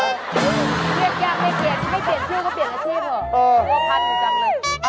เธอพันธุ์กันจังกัน